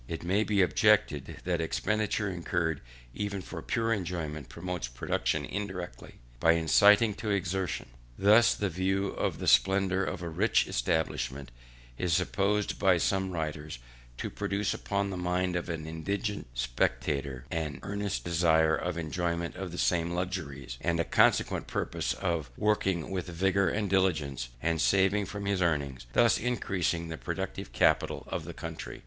It may be objected, that expenditure incurred even for pure enjoyment promotes production indirectly, by inciting to exertion. Thus the view of the splendour of a rich establishment is supposed by some writers to produce upon the mind of an indigent spectator an earnest desire of enjoying the same luxuries, and a consequent purpose of working with vigour and diligence, and saving from his earnings, thus increasing the productive capital of the country.